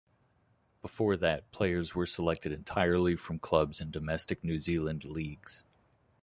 Before that players were selected entirely from clubs in domestic New Zealand leagues.